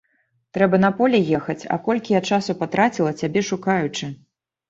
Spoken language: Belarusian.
Трэба на поле ехаць, а колькі я часу патраціла, цябе шукаючы.